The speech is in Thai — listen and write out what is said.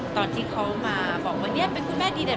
ตอนที่เขามาบอกว่าเนี่ยเป็นคุณแม่ดีเด่น